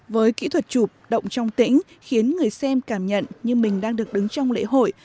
với kỹ thuật chụp động trong tĩnh khiến người xem cảm nhận như mình đang được đứng trong lễ hội